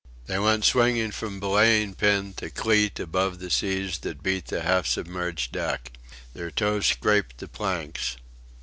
They went swinging from belaying pin to cleat above the seas that beat the half submerged deck. Their toes scraped the planks.